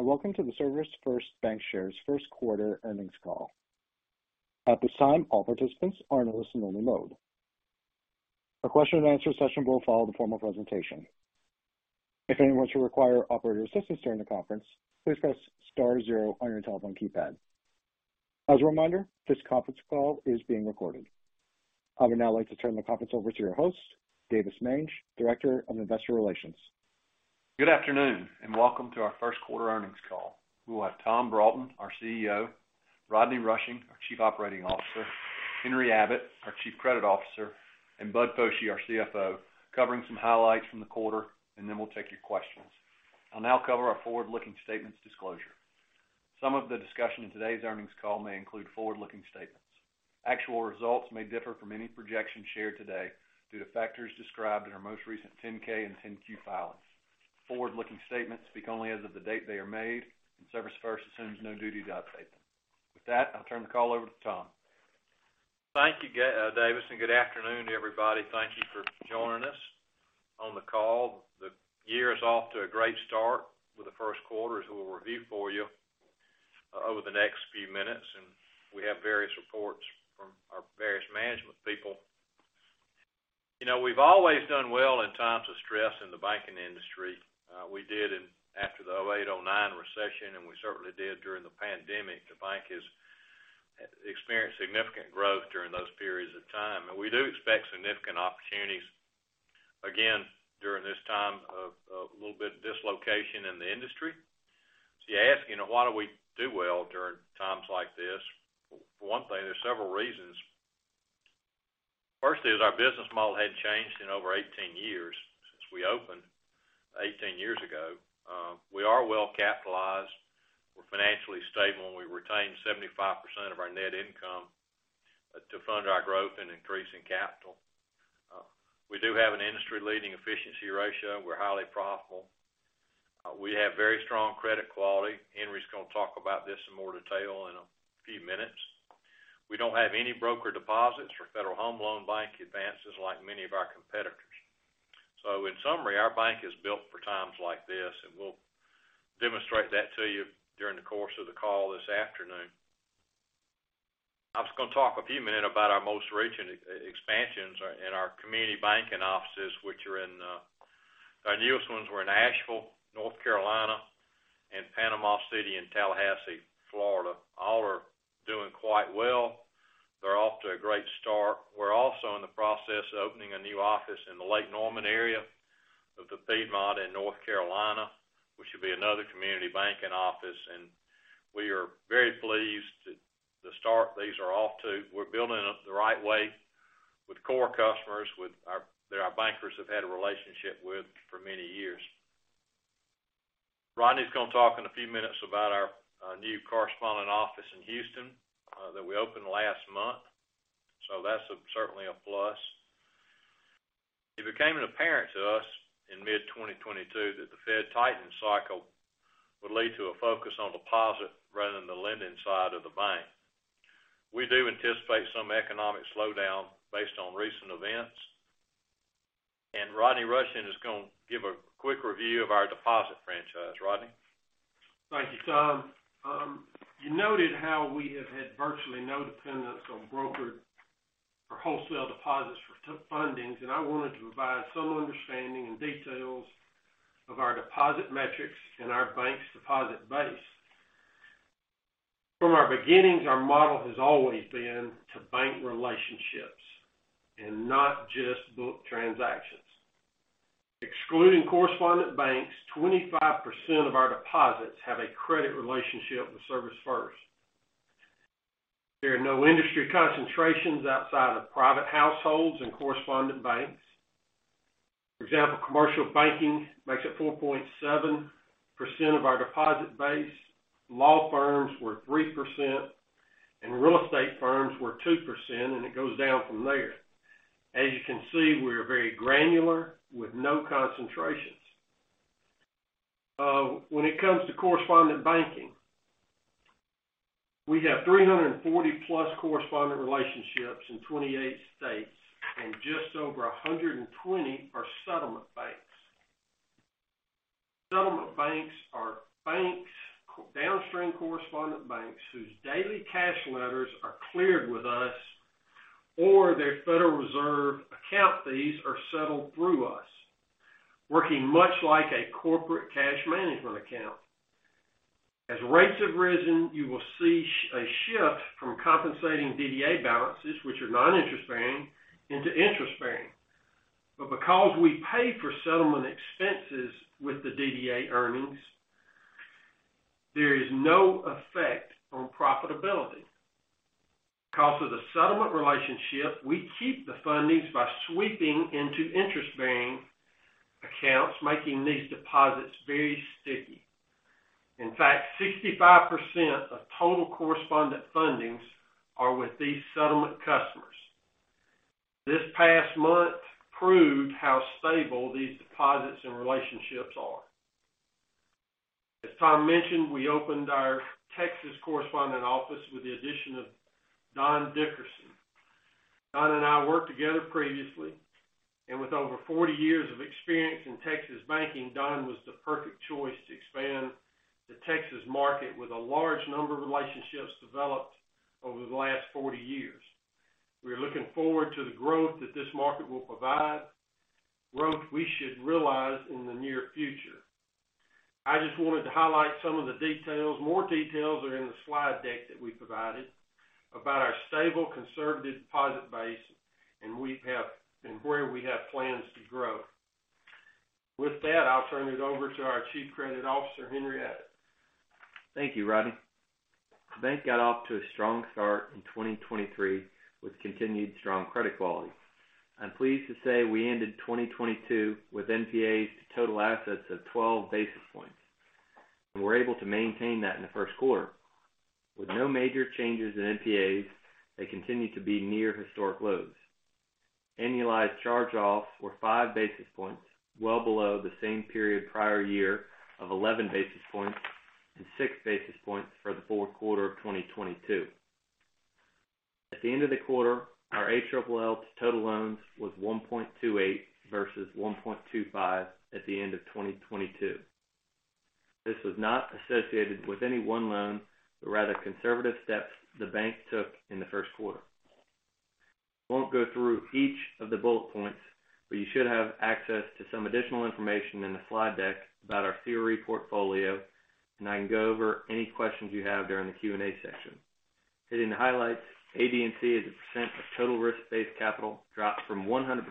Greetings, and welcome to the ServisFirst Bancshares first quarter earnings call. At this time, all participants are in a listen-only mode. A question and answer session will follow the formal presentation. If anyone should require operator assistance during the conference, please press star zero on your telephone keypad. As a reminder, this conference call is being recorded. I would now like to turn the conference over to your host, Davis Mange, Director of Investor Relations. Good afternoon, welcome to our first quarter earnings call. We'll have Tom Broughton, our CEO, Rodney Rushing, our Chief Operating Officer, Henry Abbott, our Chief Credit Officer, and Bud Foshee, our CFO, covering some highlights from the quarter, we'll take your questions. I'll now cover our forward-looking statements disclosure. Some of the discussion in today's earnings call may include forward-looking statements. Actual results may differ from any projection shared today due to factors described in our most recent 10-K and 10-Q filings. Forward-looking statements speak only as of the date they are made, ServisFirst assumes no duty to update them. With that, I'll turn the call over to Tom. Thank you, Davis, good afternoon to everybody. Thank you for joining us on the call. The year is off to a great start with the first quarter, as we'll review for you over the next few minutes, we have various reports from our various management people. You know, we've always done well in times of stress in the banking industry. We did after the 08, 09 recession, we certainly did during the pandemic. The bank has experienced significant growth during those periods of time, we do expect significant opportunities again during this time of little bit of dislocation in the industry. You're asking, why do we do well during times like this? For one thing, there's several reasons. First is our business model hadn't changed in over 18 years since we opened 18 years ago. We are well capitalized. We're financially stable, and we retain 75% of our net income, to fund our growth and increase in capital. We do have an industry-leading efficiency ratio. We're highly profitable. We have very strong credit quality. Henry's gonna talk about this in more detail in a few minutes. We don't have any broker deposits for Federal Home Loan Bank advances like many of our competitors. In summary, our bank is built for times like this, and we'll demonstrate that to you during the course of the call this afternoon. I was gonna talk a few minutes about our most recent expansions in our community banking offices, which are in... Our newest ones were in Asheville, North Carolina, and Panama City and Tallahassee, Florida. All are doing quite well. They're off to a great start. We're also in the process of opening a new office in the Lake Norman area of the Piedmont in North Carolina, which will be another community banking office. We are very pleased the start these are off to. We're building it up the right way with core customers, that our bankers have had a relationship with for many years. Rodney's gonna talk in a few minutes about our new correspondent office in Houston that we opened last month. That's certainly a plus. It became apparent to us in mid 2022 that the Fed tightening cycle would lead to a focus on deposit rather than the lending side of the bank. We do anticipate some economic slowdown based on recent events. Rodney Rushing is gonna give a quick review of our deposit franchise. Rodney? Thank you, Tom. You noted how we have had virtually no dependence on brokered or wholesale deposits for fundings, and I wanted to provide some understanding and details of our deposit metrics and our bank's deposit base. From our beginnings, our model has always been to bank relationships and not just book transactions. Excluding correspondent banks, 25% of our deposits have a credit relationship with ServisFirst. There are no industry concentrations outside of private households and correspondent banks. For example, commercial banking makes up 4.7% of our deposit base, law firms were 3%, and real estate firms were 2%, and it goes down from there. As you can see, we are very granular with no concentrations. When it comes to correspondent banking, we have 340+ correspondent relationships in 28 states, and just over 120 are settlement banks. Settlement banks are banks, downstream correspondent banks, whose daily cash letters are cleared with us or their Federal Reserve account fees are settled through us, working much like a corporate cash management account. As rates have risen, you will see a shift from compensating DDA balances, which are non-interest-bearing, into interest-bearing. Because we pay for settlement expenses with the DDA earnings, there is no effect on profitability. Because of the settlement relationship, we keep the fundings by sweeping into interest-bearing accounts, making these deposits very sticky. In fact, 65% of total correspondent fundings are with these settlement customers. This past month proved how stable these deposits and relationships are. As Tom mentioned, we opened our Texas correspondent office with the addition of Don Dickerson. Don and I worked together previously. With over 40 years of experience in Texas banking, Don was the perfect choice to expand the Texas market with a large number of relationships developed over the last 40 years. We're looking forward to the growth that this market will provide, growth we should realize in the near future. I just wanted to highlight some of the details, more details are in the slide deck that we provided, about our stable, conservative deposit base, and where we have plans to grow. With that, I'll turn it over to our Chief Credit Officer, Henry Abbott. Thank you, Rodney. The bank got off to a strong start in 2023 with continued strong credit quality. I'm pleased to say we ended 2022 with NPAs to total assets of 12 basis points, and we're able to maintain that in the first quarter. With no major changes in NPAs, they continue to be near historic lows. Annualized charge-offs were 5 basis points, well below the same period prior year of 11 basis points and 6 basis points for the fourth quarter of 2022. At the end of the quarter, our ALLL to total loans was 1.28 versus 1.25 at the end of 2022. This was not associated with any one loan, but rather conservative steps the bank took in the first quarter. Won't go through each of the bullet points, but you should have access to some additional information in the slide deck about our CRE portfolio, and I can go over any questions you have during the Q&A section. Hitting the highlights, AD&C as a percent of total risk-based capital dropped from 100%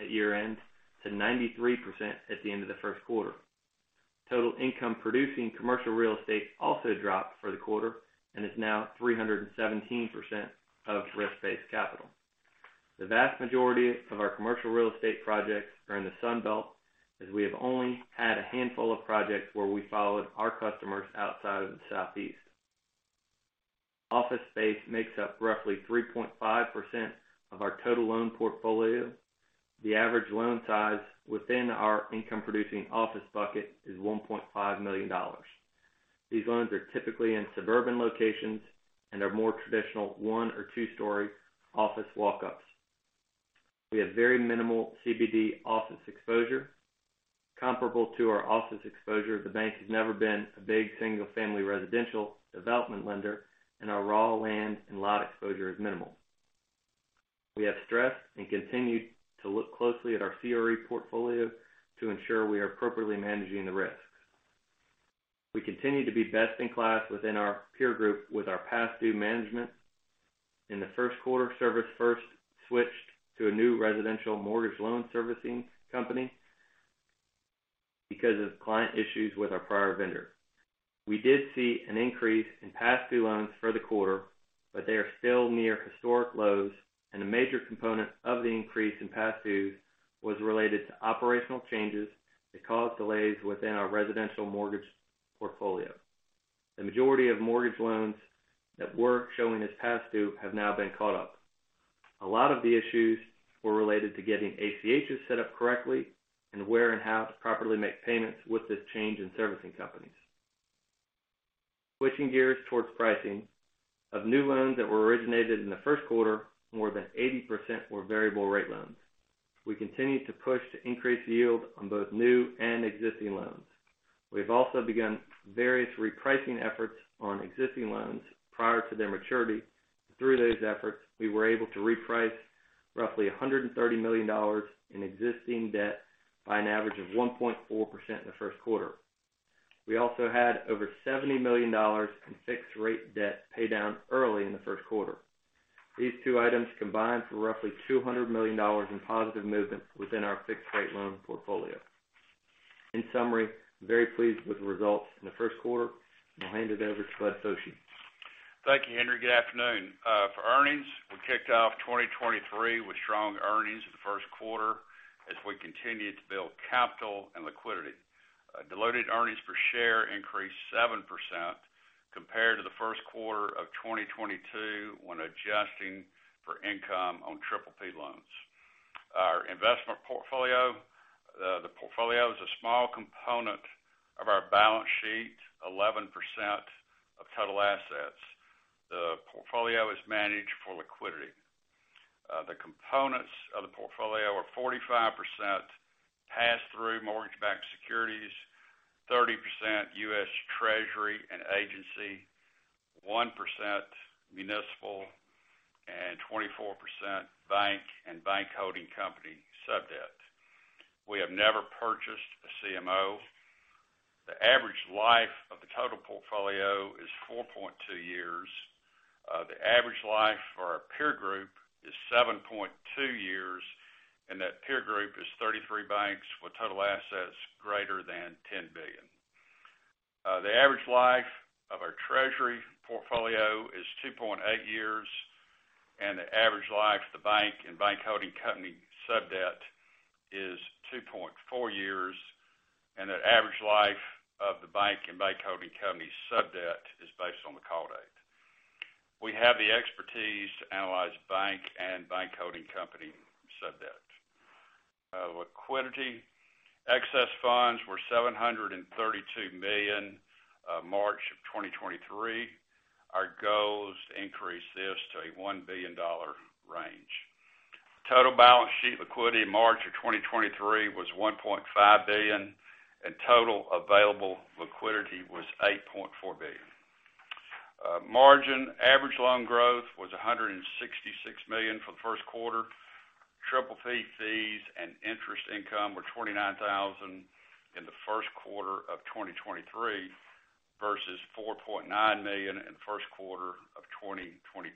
at year-end to 93% at the end of the first quarter. Total income producing commercial real estate also dropped for the quarter and is now 317% of risk-based capital. The vast majority of our commercial real estate projects are in the Sun Belt, as we have only had a handful of projects where we followed our customers outside of the Southeast. Office space makes up roughly 3.5% of our total loan portfolio. The average loan size within our income-producing office bucket is $1.5 million. These loans are typically in suburban locations and are more traditional one or two-story office walk-ups. We have very minimal CBD office exposure. Comparable to our office exposure, the bank has never been a big single-family residential development lender, and our raw land and lot exposure is minimal. We have stressed and continued to look closely at our CRE portfolio to ensure we are appropriately managing the risks. We continue to be best in class within our peer group with our past due management. In the first quarter, ServisFirst switched to a new residential mortgage loan servicing company because of client issues with our prior vendor. We did see an increase in past due loans for the quarter, but they are still near historic lows, and a major component of the increase in past dues was related to operational changes that caused delays within our residential mortgage portfolio. The majority of mortgage loans that were showing as past due have now been caught up. A lot of the issues were related to getting ACHs set up correctly and where and how to properly make payments with this change in servicing companies. Switching gears towards pricing, of new loans that were originated in the first quarter, more than 80% were variable rate loans. We continue to push to increase yield on both new and existing loans. We've also begun various repricing efforts on existing loans prior to their maturity. Through those efforts, we were able to reprice roughly $130 million in existing debt by an average of 1.4% in the first quarter. We also had over $70 million in fixed rate debt paid down early in the first quarter. These two items combined for roughly $200 million in positive movement within our fixed rate loan portfolio. In summary, very pleased with the results in the first quarter, and I'll hand it over to Bud Foshee. Thank you, Henry. Good afternoon. For earnings, we kicked off 2023 with strong earnings in the first quarter as we continued to build capital and liquidity. Diluted earnings per share increased 7% compared to the first quarter of 2022 when adjusting for income on PPP loans. Our investment portfolio, the portfolio is a small component of our balance sheet, 11% of total assets. The portfolio is managed for liquidity. The components of the portfolio are 45% pass-through mortgage-backed securities, 30% U.S. Treasury and agency, 1% municipal, and 24% bank and bank holding company sub-debt. We have never purchased a CMO. The average life of the total portfolio is 4.2 years. The average life for our peer group is 7.2 years. That peer group is 33 banks with total assets greater than $10 billion. The average life of our treasury portfolio is 2.8 years. The average life of the bank and bank holding company sub-debt is 2.4 years. The average life of the bank and bank holding company sub-debt is based on the call date. We have the expertise to analyze bank and bank holding company sub-debt. Liquidity. Excess funds were $732 million, March of 2023. Our goal is to increase this to a $1 billion range. Total balance sheet liquidity in March of 2023 was $1.5 billion. Total available liquidity was $8.4 billion. Margin average loan growth was $166 million for the first quarter. PPP fees and interest income were $29,000 in the first quarter of 2023 versus $4.9 million in first quarter of 2022.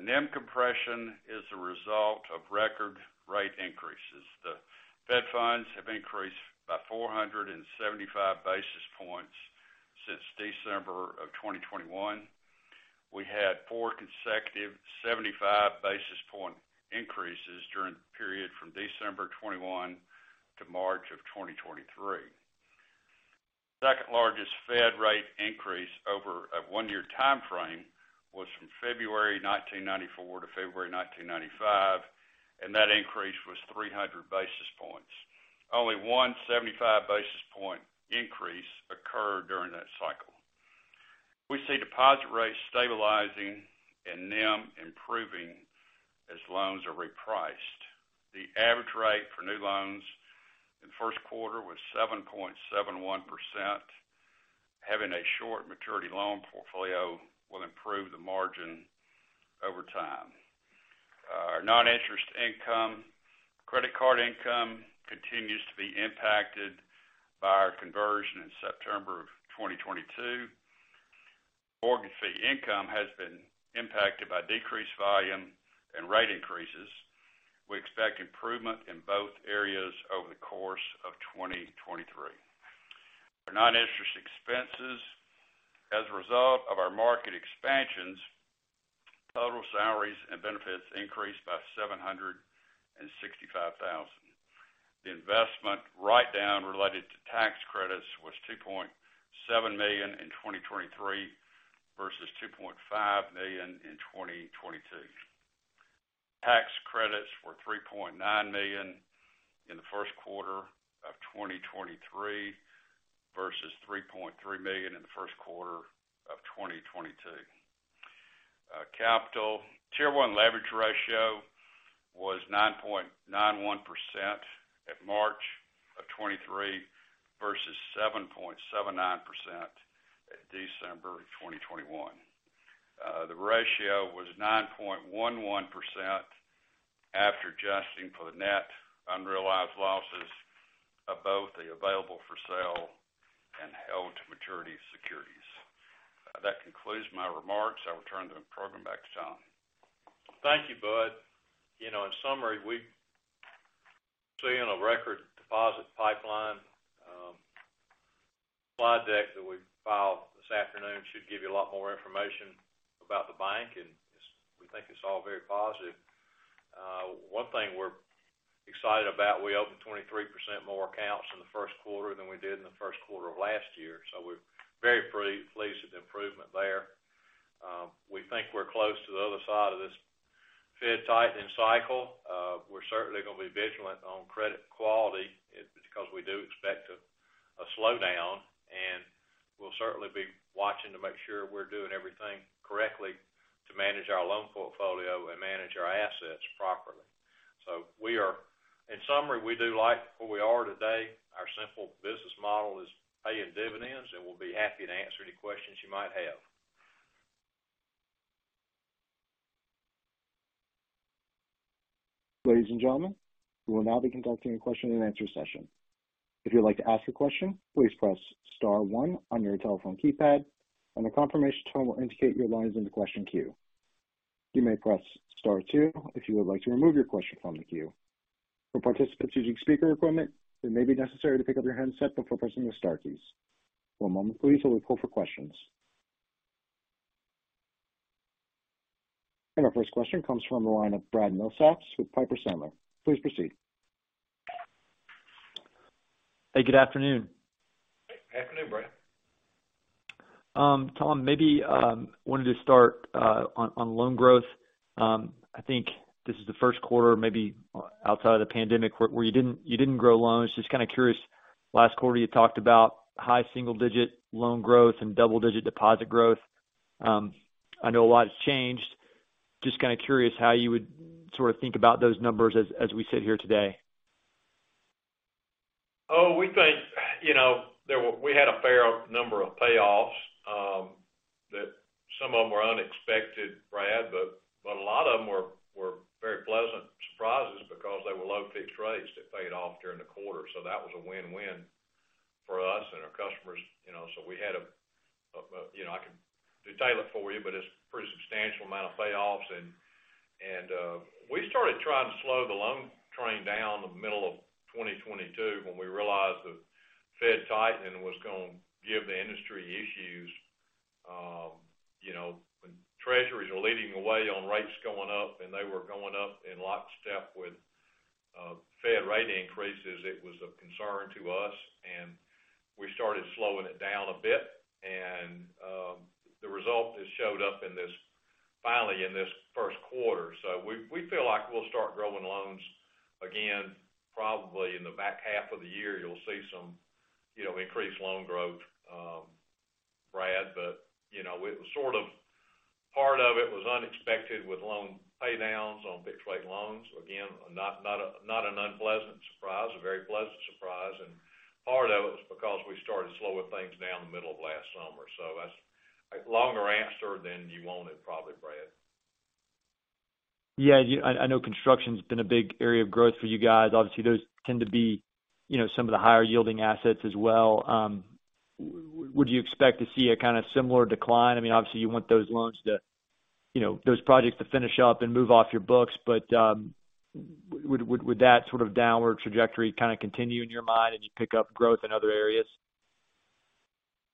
NIM compression is a result of record rate increases. The fed funds have increased by 475 basis points since December 2021. We had four consecutive 75 basis point increases during the period from December 2021 to March 2023. Second largest Fed rate increase over a one year timeframe was from February 1994 to February 1995, and that increase was 300 basis points. Only one 75 basis point increase occurred during that cycle. We see deposit rates stabilizing and NIM improving as loans are repriced. The average rate for new loans in the first quarter was 7.71%. Having a short maturity loan portfolio will improve the margin over time. Our non-interest income, credit card income continues to be impacted by our conversion in September of 2022. Mortgage fee income has been impacted by decreased volume and rate increases. We expect improvement in both areas over the course of 2023. For non-interest expenses as a result of our market expansions, total salaries and benefits increased by $765,000. The investment write-down related to tax credits was $2.7 million in 2023 versus $2.5 million in 2022. Tax credits were $3.9 million in the first quarter of 2023 versus $3.3 million in the first quarter of 2022. Capital. Tier 1 leverage ratio was 9.91% at March of 2023 versus 7.79% at December of 2021. The ratio was 9.11% after adjusting for the net unrealized losses of both the available for sale and held-to-maturity securities. That concludes my remarks. I'll return the program back to Tom. Thank you, Bud. You know, in summary, we've seen a record deposit pipeline. slide deck that we filed this afternoon should give you a lot more information about the bank, we think it's all very positive. One thing we're excited about, we opened 23% more accounts in the first quarter than we did in the first quarter of last year. We're very pleased with the improvement there. We think we're close to the other side of this Fed tightening cycle. We're certainly going to be vigilant on credit quality because we do expect a slowdown, and we'll certainly be watching to make sure we're doing everything correctly to manage our loan portfolio and manage our assets properly. In summary, we do like where we are today. Our simple business model is paying dividends, and we'll be happy to answer any questions you might have. Ladies and gentlemen, we will now be conducting a question-and-answer session. If you'd like to ask a question, please press star one on your telephone keypad and a confirmation tone will indicate your line is in the question queue. You may press star two if you would like to remove your question from the queue. For participants using speaker equipment, it may be necessary to pick up your handset before pressing your star keys. One moment please, while we pull for questions. Our first question comes from the line of Brad Milsaps with Piper Sandler. Please proceed. Hey, good afternoon. Good afternoon, Brad. Tom, maybe, wanted to start on loan growth. I think this is the first quarter, maybe outside of the pandemic where you didn't grow loans. Just kind of curious, last quarter, you talked about high single-digit loan growth and double-digit deposit growth. I know a lot has changed. Just kind of curious how you would sort of think about those numbers as we sit here today. We think, you know, we had a fair number of payoffs, that some of them were unexpected, Brad, but a lot of them were very pleasant surprises because they were low fixed rates that paid off during the quarter. That was a win-win for us and our customers. You know, so we had a, you know, I can detail it for you, but it's pretty substantial amount of payoffs. We started trying to slow the loan train down the middle of 2022 when we realized the Fed tightening was gonna give the industry issues. You know, when treasuries are leading the way on rates going up, and they were going up in lockstep with Fed rate increases, it was of concern to us, and we started slowing it down a bit. The result has showed up in. Finally in this first quarter. We, we feel like we'll start growing loans again, probably in the back half of the year, you'll see some, you know, increased loan growth, Brad, but, you know, sort of part of it was unexpected with loan pay downs on fixed-rate loans. Again, not a, not an unpleasant surprise, a very pleasant surprise, and part of it was because we started slowing things down the middle of last summer. That's a longer answer than you wanted probably, Brad. Yeah, I know construction's been a big area of growth for you guys. Obviously, those tend to be, you know, some of the higher yielding assets as well. Would you expect to see a kinda similar decline? I mean, obviously, you want those loans to, you know, those projects to finish up and move off your books. Would that sort of downward trajectory kinda continue in your mind as you pick up growth in other areas?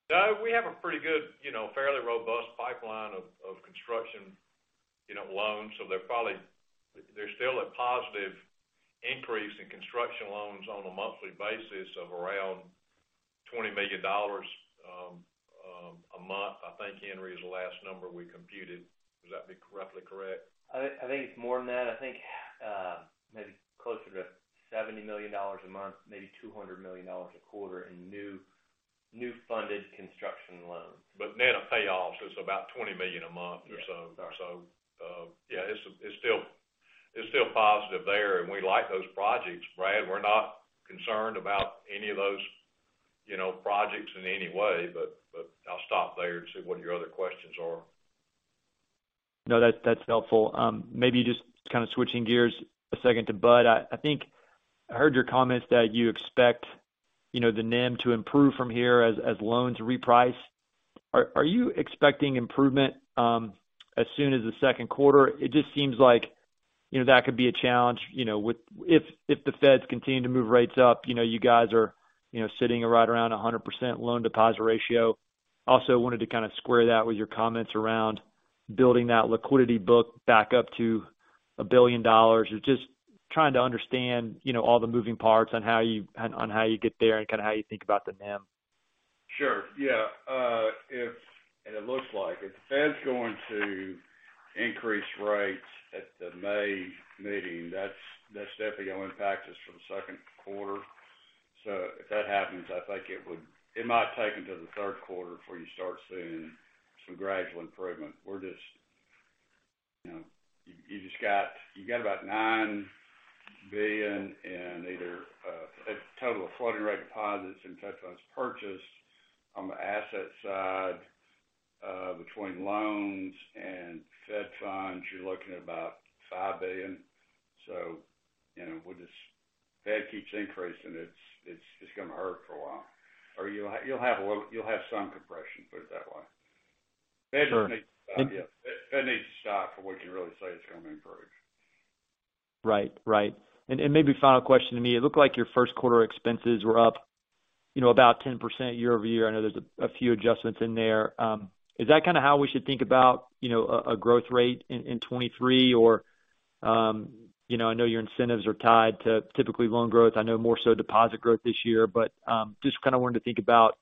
No, we have a pretty good, you know, fairly robust pipeline of construction, you know, loans. There's still a positive increase in construction loans on a monthly basis of around $20 million a month. I think Henry has the last number we computed. Would that be roughly correct? I think it's more than that. I think maybe closer to $70 million a month, maybe $200 million a quarter in new funded construction loans. Net of payoffs, it's about $20 million a month or so. Yeah. So. Yeah, it's still positive there, and we like those projects, Brad. We're not concerned about any of those, you know, projects in any way. I'll stop there and see what your other questions are. No, that's helpful. Maybe just kinda switching gears a second to Bud. I think I heard your comments that you expect, you know, the NIM to improve from here as loans reprice. Are you expecting improvement as soon as the second quarter? It just seems like, you know, that could be a challenge, you know, if the Feds continue to move rates up, you know, you guys are, you know, sitting right around a 100% loan deposit ratio. Also wanted to kinda square that with your comments around building that liquidity book back up to $1 billion. Just trying to understand, you know, all the moving parts on how you get there and kinda how you think about the NIM. Sure. Yeah. It looks like if the Fed's going to increase rates at the May meeting, that's definitely going to impact us for the second quarter. If that happens, I think it might take into the third quarter before you start seeing some gradual improvement. We're just, you know, you got about $9 billion in either a total of floating rate deposits and Fed funds purchased. On the asset side, between loans and Fed funds, you're looking at about $5 billion. You know, Fed keeps increasing, it's gonna hurt for a while. You'll have some compression, put it that way. Sure. Fed needs to stop, yeah. Fed needs to stop before we can really say it's gonna improve. Right. Right. Maybe final question to me. It looked like your first quarter expenses were up, you know, about 10% year-over-year. I know there's a few adjustments in there. Is that kinda how we should think about, you know, a growth rate in 2023? Or, you know, I know your incentives are tied to typically loan growth. I know more so deposit growth this year, but, just kinda wanted to think about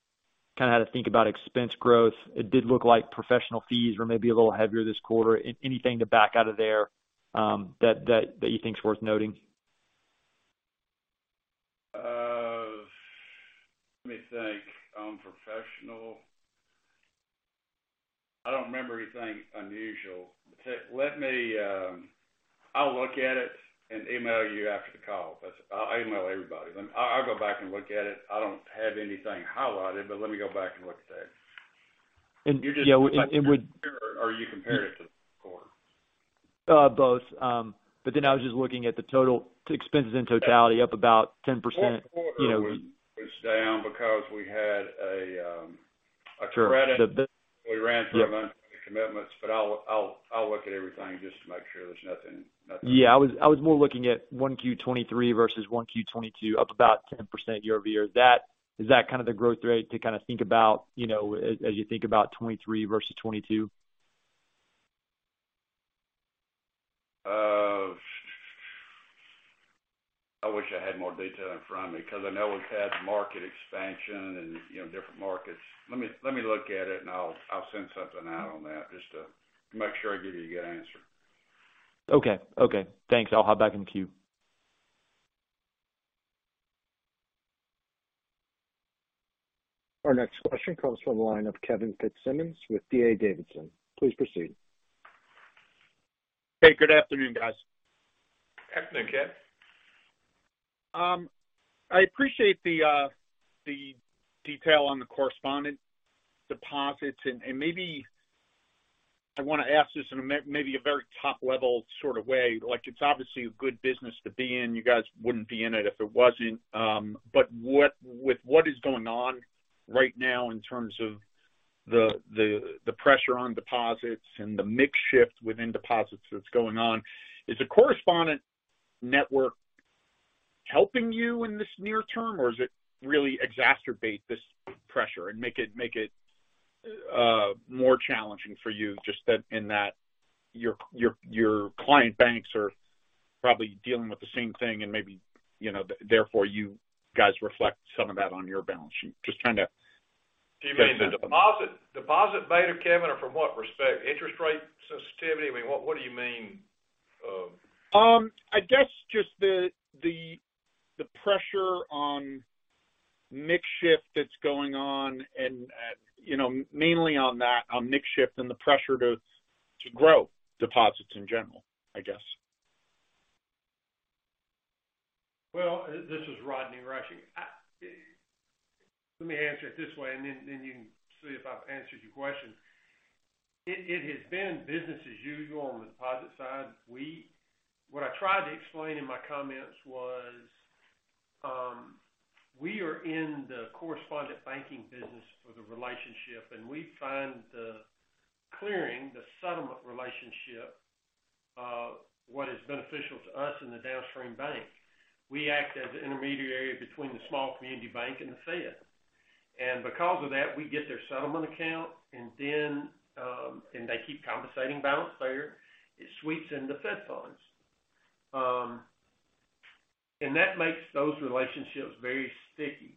kinda how to think about expense growth. It did look like professional fees were maybe a little heavier this quarter. Anything to back out of there that you think is worth noting? Let me think. Professional. I don't remember anything unusual. Let me. I'll look at it and email you after the call. I'll email everybody. I'll go back and look at it. I don't have anything highlighted, but let me go back and look today. yeah, would. Are you comparing it to the quarter? Both. I was just looking at the expenses in totality up about 10%, you know. Fourth quarter was down because we had a credit. Sure. We ran through a month of the commitments, I'll look at everything just to make sure there's nothing. Yeah, I was more looking at 1Q 2023 versus 1Q 2022, up about 10% year-over-year. Is that kind of the growth rate to kind of think about, you know, as you think about 2023 versus 2022? I wish I had more detail in front of me because I know we've had market expansion and, you know, different markets. Let me look at it, and I'll send something out on that just to make sure I give you a good answer. Okay. Okay. Thanks. I'll hop back in the queue. Our next question comes from the line of Kevin Fitzsimmons with D.A. Davidson. Please proceed. Hey, good afternoon, guys. Afternoon, Kevin. I appreciate the detail on the correspondent deposits. Maybe I wanna ask this in a very top-level sort of way. Like, it's obviously a good business to be in. You guys wouldn't be in it if it wasn't. But with what is going on right now in terms of the pressure on deposits and the mix shift within deposits that's going on, is the correspondent network helping you in this near term, or does it really exacerbate this pressure and make it more challenging for you in that your client banks are probably dealing with the same thing and maybe, you know, therefore, you guys reflect some of that on your balance sheet? Just trying to Do you mean the deposit beta, Kevin, or from what respect? Interest rate sensitivity? I mean, what do you mean? I guess just the pressure on mix shift that's going on and, you know, mainly on that, on mix shift and the pressure to grow deposits in general, I guess. This is Rodney Rushing. Let me answer it this way, and then you can see if I've answered your question. It has been business as usual on the deposit side. What I tried to explain in my comments was, we are in the correspondent banking business for the relationship, and we find the clearing, the settlement relationship, what is beneficial to us in the downstream bank. We act as the intermediary between the small community bank and the Fed. Because of that, we get their settlement account and then, and they keep compensating balance there. It sweeps into Fed funds. That makes those relationships very sticky.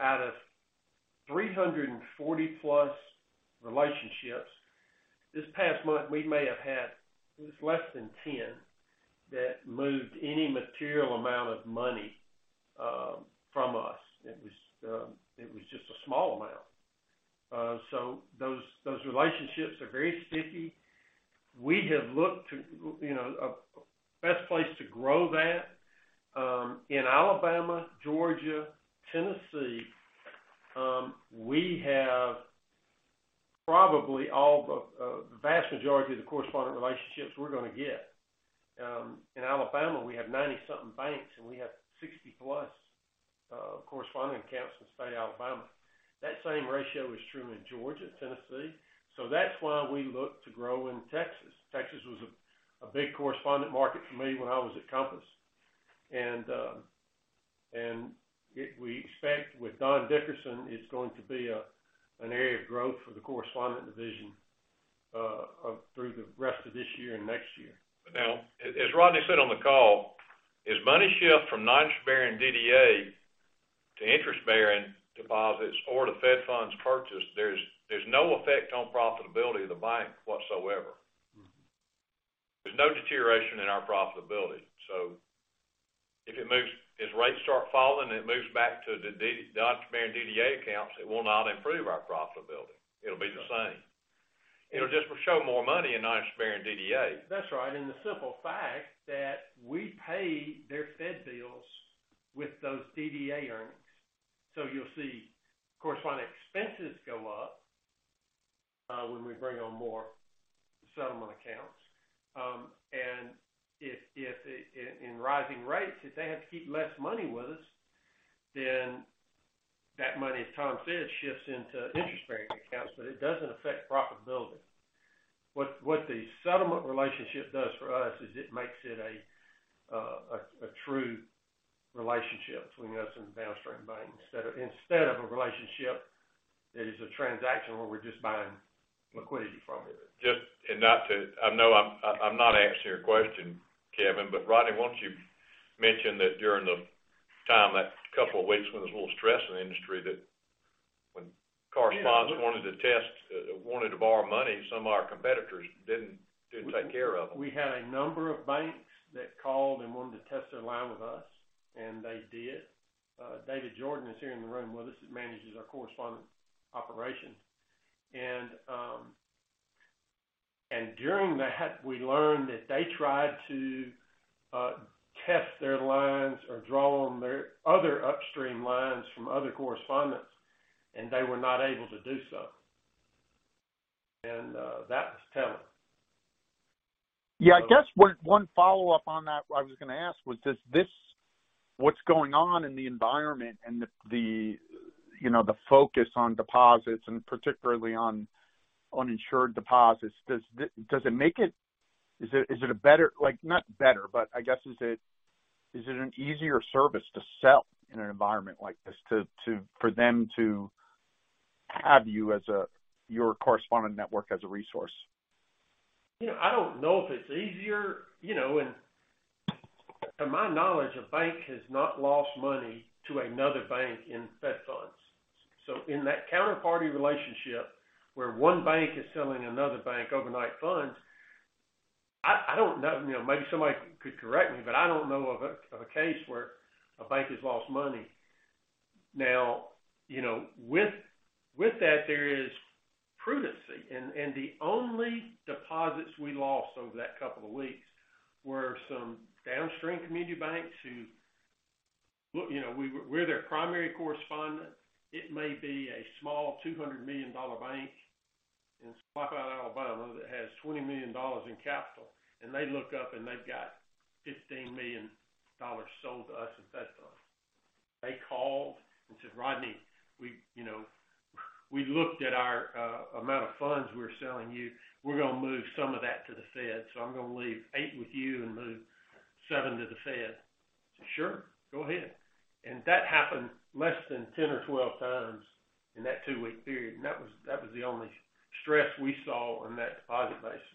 Out of 340 plus relationships, this past month, we may have had, it was less than 10 that moved any material amount of money from us. It was just a small amount. Those relationships are very sticky. We have looked to, you know, a best place to grow that in Alabama, Georgia, Tennessee, we have probably all of the vast majority of the correspondent relationships we're gonna get. In Alabama, we have 90 something banks, we have 60 plus correspondent accounts in the state of Alabama. That same ratio is true in Georgia, Tennessee. That's why we look to grow in Texas. Texas was a big correspondent market for me when I was at Compass. We expect with Don Dickerson, it's going to be an area of growth for the correspondent division through the rest of this year and next year. As Rodney said on the call, as money shift from non-interest-bearing DDA to interest-bearing deposits or to fed funds purchased, there's no effect on profitability of the bank whatsoever. Mm-hmm. There's no deterioration in our profitability. As rates start falling, it moves back to the non-interest-bearing DDA accounts, it will not improve our profitability. It'll be the same. It'll just show more money in non-interest-bearing DDAs. That's right. The simple fact that we pay their Fed bills with those DDA earnings. You'll see correspondent expenses go up when we bring on more settlement accounts. If in rising rates, if they have to keep less money with us, then that money, as Tom said, shifts into interest-bearing accounts, but it doesn't affect profitability. What the settlement relationship does for us is it makes it a true relationship between us and the downstream banks. Instead of a relationship that is a transaction where we're just buying liquidity from it. Just I know I'm not answering your question, Kevin, but Rodney, why don't you mention that during the time, that couple of weeks when there's a little stress in the industry that when correspondents. Yeah. wanted to test, wanted to borrow money, some of our competitors didn't take care of them. We had a number of banks that called and wanted to test their line with us, and they did. David Jordan is here in the room with us, that manages our correspondent operations. During that, we learned that they tried to test their lines or draw on their other upstream lines from other correspondents, and they were not able to do so. That was telling. Yeah, I guess one follow-up on that I was gonna ask was, what's going on in the environment and the, you know, the focus on deposits and particularly on uninsured deposits, does it make it like, not better, but I guess, is it an easier service to sell in an environment like this to for them to have you as a your correspondent network as a resource? You know, I don't know if it's easier, you know, and to my knowledge, a bank has not lost money to another bank in Fed funds. In that counterparty relationship where one bank is selling another bank overnight funds, I don't know, you know, maybe somebody could correct me, but I don't know of a, of a case where a bank has lost money. You know, with that, there is prudence. The only deposits we lost over that couple of weeks were some downstream community banks who look, you know, we're their primary correspondent. It may be a small $200 million bank in Slapout, Alabama, that has $20 million in capital, and they look up, and they've got $15 million sold to us in Fed funds. They called and said, "Rodney, we, you know, we looked at our amount of funds we're selling you. We're gonna move some of that to the Fed, so I'm gonna leave 8 with you and move 7 to the Fed." I said, "Sure, go ahead." That happened less than 10 or 12 times in that 2-week period, and that was the only stress we saw on that deposit base.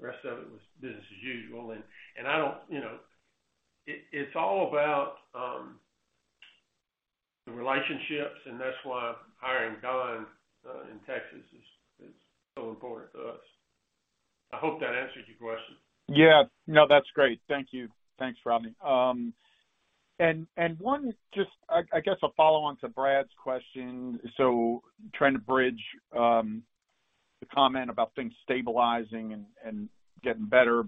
The rest of it was business as usual. I don't, you know... It's all about the relationships. That's why hiring Don in Texas is so important to us. I hope that answers your question. Yeah. No, that's great. Thank you. Thanks, Rodney. One I guess a follow-on to Brad's question. Trying to bridge the comment about things stabilizing and getting better.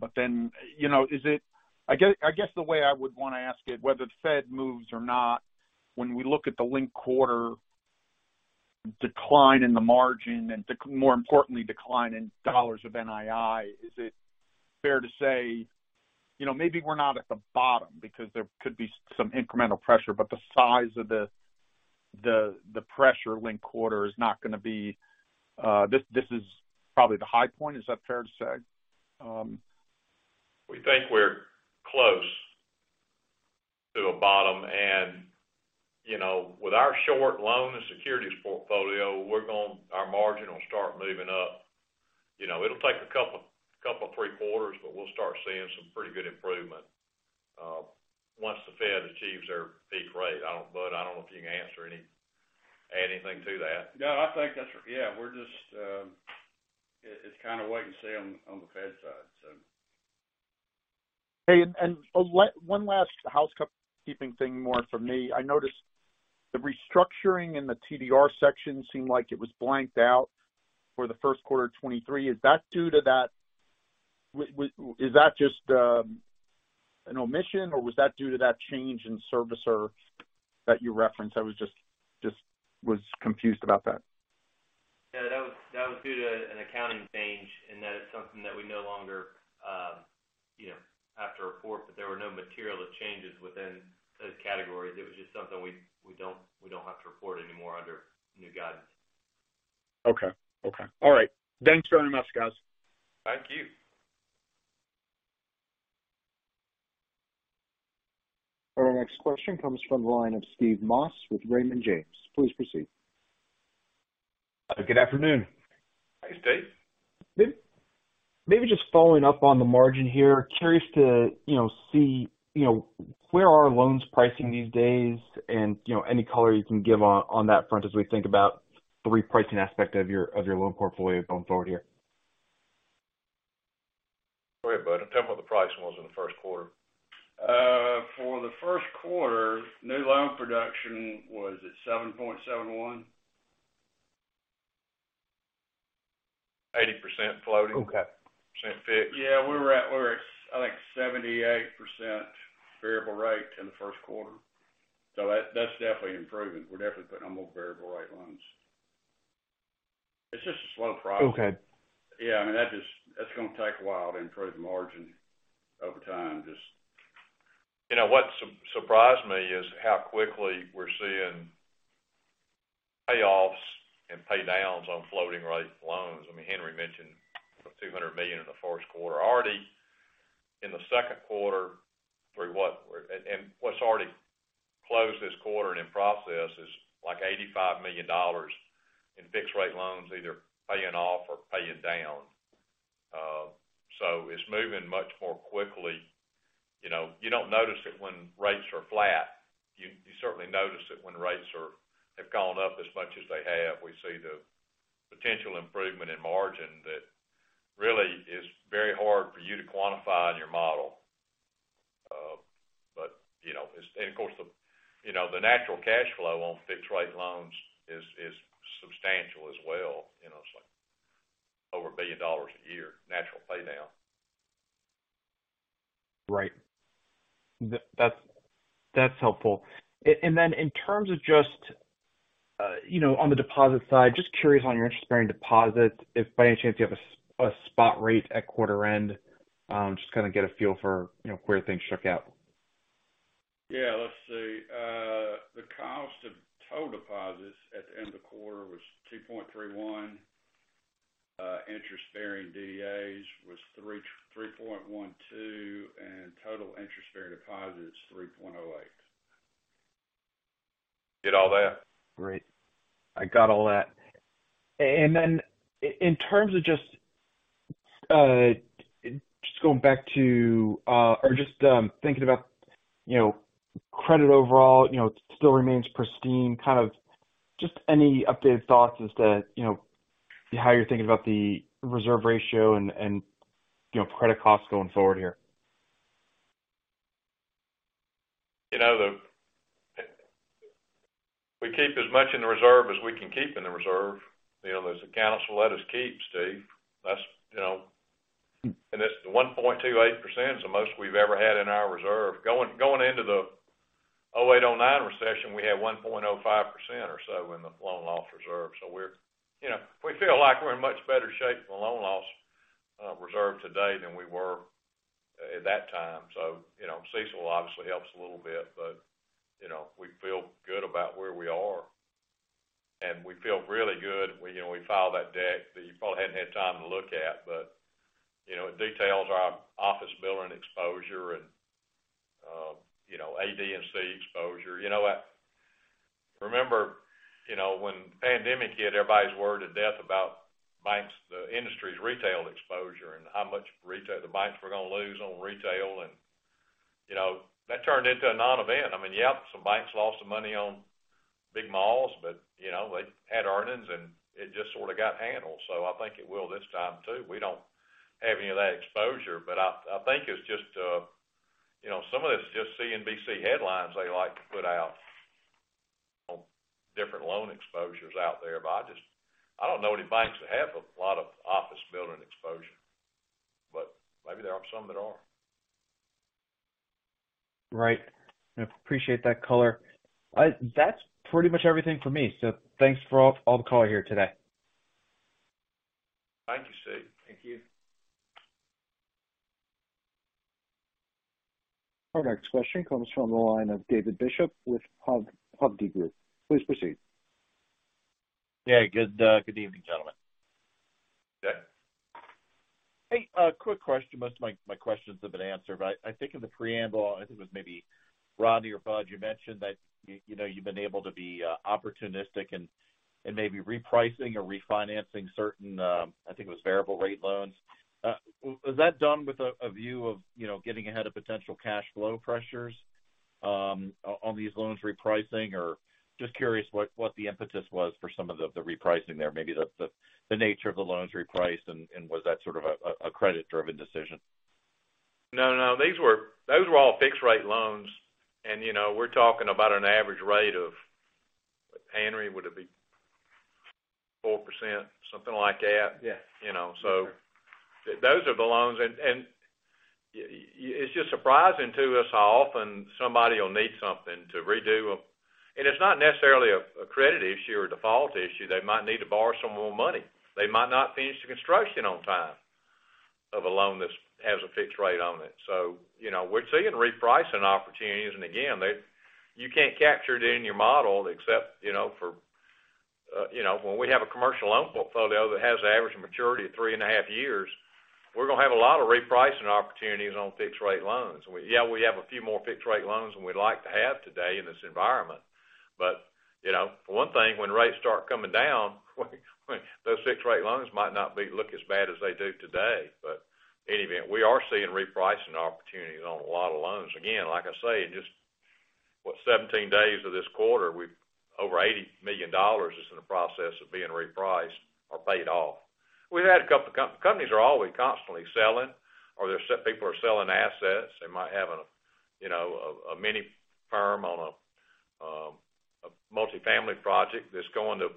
You know, is it I guess the way I would wanna ask it, whether the Fed moves or not, when we look at the linked quarter decline in the margin, and the, more importantly, decline in dollars of NII, is it fair to say, you know, maybe we're not at the bottom because there could be some incremental pressure, but the size of the pressure linked quarter is not gonna be this is probably the high point. Is that fair to say? We think we're close to a bottom. you know, with our short loan to securities portfolio, our margin will start moving up. it'll take a couple, three quarters, but we'll start seeing some pretty good improvement once the Fed achieves their peak rate. Bud, I don't know if you can answer any, add anything to that. I think that's. Yeah, we're just, it's kinda wait and see on the Fed side. Hey, one last housekeeping thing more from me. I noticed the restructuring in the TDR section seemed like it was blanked out for the first quarter 2023. Is that just an omission, or was that due to that change in servicer that you referenced? I just was confused about that. Yeah, that was, that was due to an accounting change, and that is something that we no longer, you know, have to report, but there were no material changes within those categories. It was just something we don't have to report anymore under new guidance. Okay. Okay. All right. Thanks very much, guys. Thank you. Our next question comes from the line of Steve Moss with Raymond James. Please proceed. Good afternoon. Hey, Steve. Maybe just following up on the margin here, curious to, you know, see, you know, where are loans pricing these days, and, you know, any color you can give on that front as we think about the repricing aspect of your, of your loan portfolio going forward here. Go ahead, Bud, and tell him what the pricing was in the first quarter. For the first quarter, new loan production was at 7.71%. 80% floating. Okay. Percent fixed. Yeah, we were at where it's, I think, 78% variable rate in the first quarter. That's definitely improving. We're definitely putting on more variable rate loans. It's just a slow process. Okay. Yeah, I mean, That's gonna take a while to improve the margin over time. You know, what surprised me is how quickly we're seeing payoffs and pay downs on floating rate loans. I mean, Henry mentioned the $200 million in the first quarter. Already in the second quarter, through what's already closed this quarter and in process is, like, $85 million in fixed rate loans either paying off or paying down. It's moving much more quickly. You know, you don't notice it when rates are flat. You, you certainly notice it when rates have gone up as much as they have. We see the potential improvement in margin that really is very hard for you to quantify in your model. You know, it's. Of course, the, you know, the natural cash flow on fixed rate loans is substantial as well. You know, it's, like, over $1 billion a year natural pay down. Right. That's helpful. Then in terms of just, you know, on the deposit side, just curious on your interest-bearing deposits, if by any chance you have a spot rate at quarter end, just kinda get a feel for, you know, where things shook out? Yeah, let's see. The cost of total deposits at the end of the quarter was 2.31%. Interest-bearing DDAs was 3.12%, and total interest-bearing deposits, 3.08%. Get all that? Great. I got all that. In terms of just going back to, or just thinking about, you know, credit overall, you know, it still remains pristine, kind of just any updated thoughts as to, you know, how you're thinking about the reserve ratio and, you know, credit costs going forward here. You know, We keep as much in the reserve as we can keep in the reserve. You know, as accountants will let us keep, Steve. That's, you know. The 1.28% is the most we've ever had in our reserve. Going into the 2008, 2009 recession, we had 1.05% or so in the loan loss reserve. We're, you know, we feel like we're in much better shape in the loan loss reserve today than we were at that time. You know, CECL obviously helps a little bit, you know, we feel good about where we are. We feel really good, we, you know, we filed that deck that you probably hadn't had time to look at, you know, it details our office building exposure and, you know, AD&C exposure. You know what? Remember, you know, when the pandemic hit, everybody's worried to death about banks, the industry's retail exposure, and how much the banks were gonna lose on retail, and you know, that turned into a non-event. I mean, yep, some banks lost some money on big malls, but you know, they had earnings, and it just sort of got handled. I think it will this time, too. We don't have any of that exposure, but I think it's just, you know, some of it's just CNBC headlines they like to put out on different loan exposures out there, but I just, I don't know any banks that have a lot of office building exposure, but maybe there are some that are. Right. I appreciate that color. That's pretty much everything for me, thanks for all the color here today. Thank you, Steve. Thank you. Our next question comes from the line of David Bishop with Hovde Group. Please proceed. Yeah, good evening, gentlemen. Dave. A quick question. Most of my questions have been answered, but I think in the preamble, I think it was maybe Rodney or Bud, you mentioned that you know, you've been able to be opportunistic and maybe repricing or refinancing certain, I think it was variable rate loans. Was that done with a view of, you know, getting ahead of potential cash flow pressures on these loans repricing? Or just curious what the impetus was for some of the repricing there. Maybe the nature of the loans reprice and was that sort of a credit-driven decision? No, no, those were all fixed rate loans and, you know, we're talking about an average rate of... Henry, would it be 4%, something like that? Yeah. You know, those are the loans and it's just surprising to us how often somebody will need something to redo a. It's not necessarily a credit issue or default issue. They might need to borrow some more money. They might not finish the construction on time of a loan that's, has a fixed rate on it. You know, we're seeing repricing opportunities. Again, you can't capture it in your model except, you know, for, you know, when we have a commercial loan portfolio that has an average maturity of 3.5 years, we're gonna have a lot of repricing opportunities on fixed rate loans. Yeah, we have a few more fixed rate loans than we'd like to have today in this environment. You know, for one thing, when rates start coming down, those fixed rate loans might not look as bad as they do today. Any event, we are seeing repricing opportunities on a lot of loans. Again, like I say, in just, what, 17 days of this quarter, over $80 million is in the process of being repriced or paid off. We've had a couple companies are always constantly selling or people are selling assets. They might have a, you know, a mini firm on a multifamily project that's going to.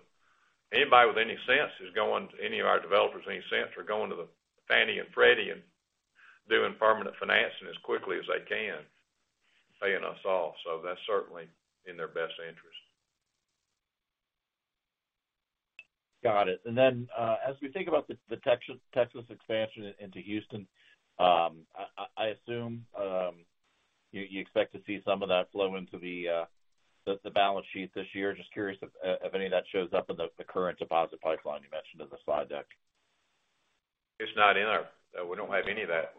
Anybody with any sense is going to, any of our developers with any sense are going to the Fannie and Freddie and doing permanent financing as quickly as they can, paying us off. That's certainly in their best interest. Got it. As we think about the Texas expansion into Houston, I assume, you expect to see some of that flow into the balance sheet this year. Just curious if any of that shows up in the current deposit pipeline you mentioned in the slide deck. We don't have any of that.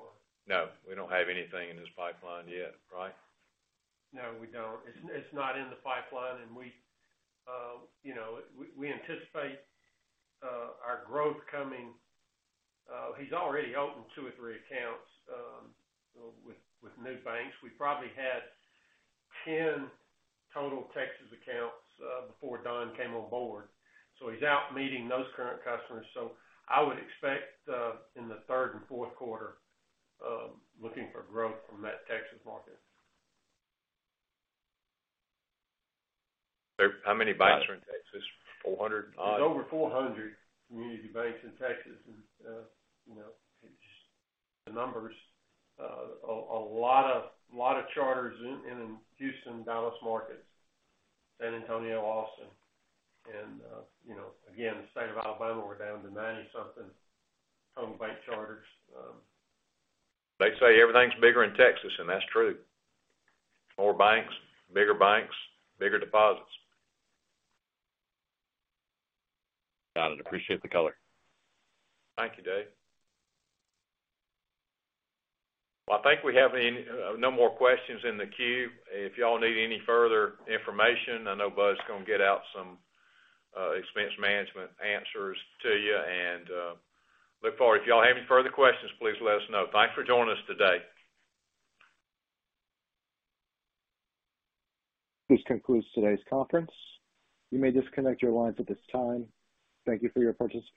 No, we don't have anything in this pipeline yet, right? No, we don't. It's not in the pipeline and we, you know, we anticipate our growth coming, he's already opened two or three accounts with new banks. We probably had 10 total Texas accounts before Don came on board. He's out meeting those current customers. I would expect in the third and fourth quarter, looking for growth from that Texas market. How many banks are in Texas? 400, There's over 400 community banks in Texas and, you know, it's the numbers. A lot of charters in Houston, Dallas markets, San Antonio, Austin. You know, again, the state of Alabama, we're down to 90 something home bank charters. They say everything's bigger in Texas, and that's true. More banks, bigger banks, bigger deposits. Got it. Appreciate the color. Thank you, Dave. Well, I think we have any, no more questions in the queue. If y'all need any further information, I know Bud's gonna get out some expense management answers to you and look forward. If y'all have any further questions, please let us know. Thanks for joining us today. This concludes today's conference. You may disconnect your lines at this time. Thank you for your participation.